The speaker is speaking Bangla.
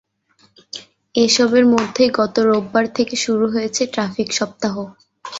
এসবের মধ্যেই গত রোববার থেকে শুরু হয়েছে ট্রাফিক সপ্তাহ।